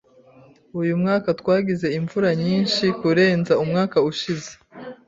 Uyu mwaka twagize imvura nyinshi kurenza umwaka ushize. .